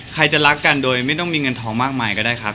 ใครจะรักกันโดยไม่ต้องมีเงินทองมากมายก็ได้ครับ